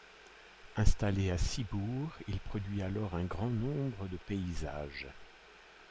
Installé à Ciboure, il produit alors un grand nombre de paysages.